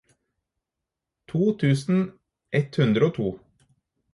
to tusen ett hundre og to